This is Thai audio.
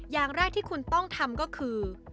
อย่างแรกที่คุณต้องทำก็คือ